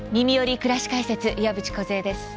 くらし解説」岩渕梢です。